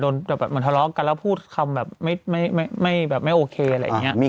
เหมือนทะเลาะกันแล้วพูดคำแบบไม่แบบไม่โอเคอะไรอย่างนี้